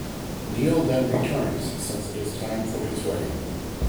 Neal then returns since it is time for his wedding.